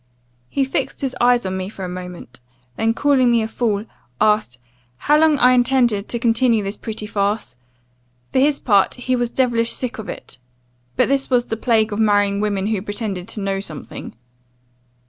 He fixed his eyes on me for a moment, then, calling me a fool, asked 'How long I intended to continue this pretty farce? For his part, he was devilish sick of it; but this was the plague of marrying women who pretended to know something.